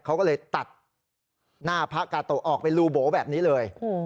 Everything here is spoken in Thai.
เขาก็เลยตัดหน้าพระกาโตะออกเป็นรูโบแบบนี้เลย